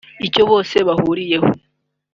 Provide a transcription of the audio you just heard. Icyo bose bahurizaho